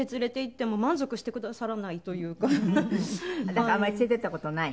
だからあんまり連れていった事ない？